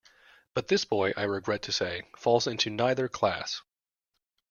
But this boy, I regret to say, falls into neither class.